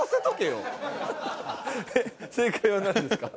正解は何ですか？